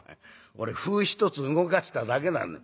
俺歩一つ動かしただけなのに」。